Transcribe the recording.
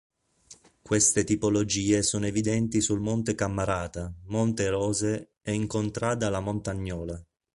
Queste tipologie sono evidenti sul Monte Cammarata, Monte Rose e in contrada La Montagnola.